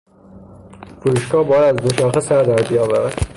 فروشگاه باید از دوچرخه سر در بیاورد.